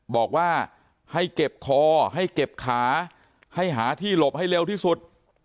บอกว่าให้เก็บคอให้เก็บขาให้หาที่หลบให้เร็วที่สุด